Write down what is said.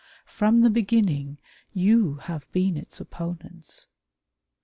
From the beginning you have been its opponents.